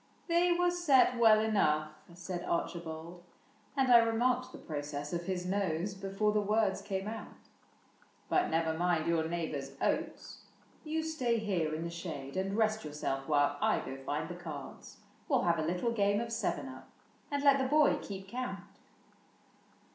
'' They were set well enough," said Archibald, — And I remarked the process of his nose Before the words came out ;" but never mind Your neighbor's oats : you stay here in the shade And rest yourself while I go find the cards. We '11 have a little game of seven up And let the boy keep count."